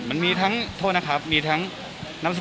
คุณพูดเหมือนมีหลักการมาก